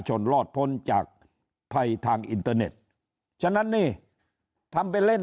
รอดพ้นจากภัยทางอินเตอร์เน็ตฉะนั้นนี่ทำเป็นเล่น